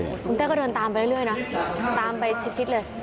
คุณเต้ก็เดินตามไปเรื่อยนะตามไปชิดเลย